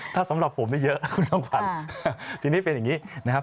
ถ้าสำหรับผมนี่เยอะคุณท่องฟันทีนี้เป็นอย่างนี้